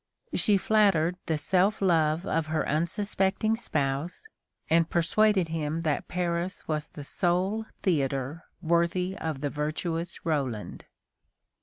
She flattered the self love of her unsuspecting spouse, and persuaded him that Paris was the sole theatre worthy of the virtuous Roland.